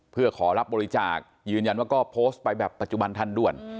เพื่อขอรับบริจาคยืนยันว่าก็โพสต์ไปแบบปัจจุบันทันด่วน